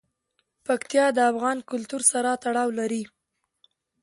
پکتیا د افغان کلتور سره تړاو لري.